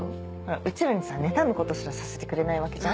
うちらにさ妬むことすらさせてくれないわけじゃん。